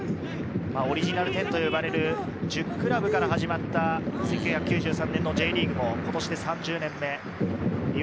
オリジナル１０と呼ばれる１０クラブから始まった１９９３年のＪリーグも今年で３０年目。